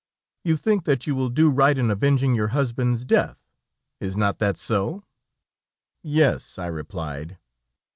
You think that you will do right in avenging your husband's death, is not that so?' "'Yes, I replied.'